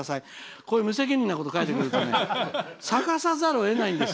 こういう無責任なことを書いてくると探さざるを得ないんです。